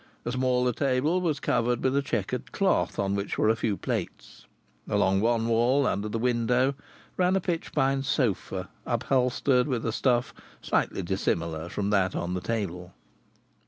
A smaller table was covered with a chequered cloth on which were a few plates. Along one wall, under the window, ran a pitch pine sofa upholstered with a stuff slightly dissimilar from that on the table.